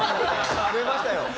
増えましたよ。